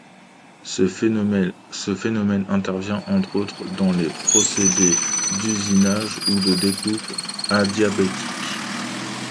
Ce phénomène intervient entre autres dans les procédés d'usinage ou de découpe adiabatique.